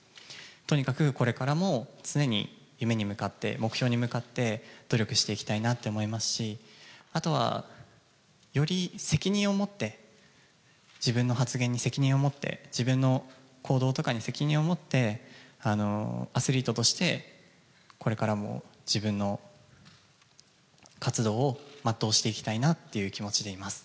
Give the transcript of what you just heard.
とにかくこれからも常に夢に向かって、目標に向かって努力していきたいなって思いますし、あとはより責任を持って、自分の発言に責任を持って、自分の行動とかに責任を持って、アスリートとしてこれからも自分の活動を全うしていきたいなっていう気持ちでいます。